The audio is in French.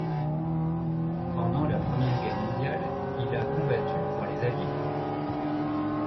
Pendant la Première Guerre mondiale, il a combattu pour les Alliés.